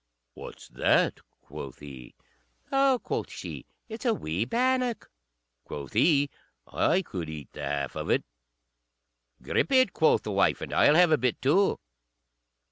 "What's that?" quoth he. "Oh," quoth she, "it's a wee bannock." Quoth he, "I could eat the half of it." "Grip it," quoth the wife, "and I'll have a bit too."